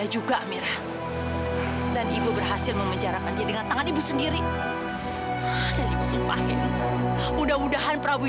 jangan lupa subscribe like komen dan share disini makin serius